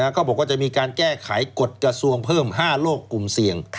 เขาบอกว่าจะมีการแก้ไขกษีกษัตริย์ของกระทรวงเข้ามาเพิ่ม๕โลกกลุ่มเสี่ยง